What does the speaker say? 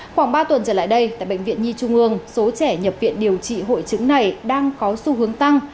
khoảng ba tuần trở lại đây tại bệnh viện nhi trung ương số trẻ nhập viện điều trị hội chứng này đang có xu hướng tăng